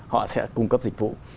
họ sẽ cung cấp dịch vụ